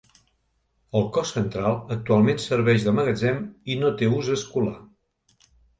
El cos central, actualment serveix de magatzem i no té ús escolar.